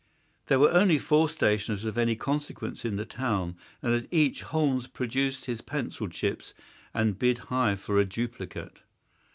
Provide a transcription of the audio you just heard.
There were only four stationers of any consequence in the town, and at each Holmes produced his pencil chips and bid high for a duplicate.